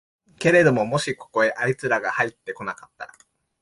けれどももしここへあいつらがはいって来なかったら、